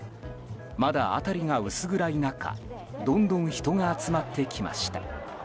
まだ辺りが薄暗い中どんどん人が集まってきました。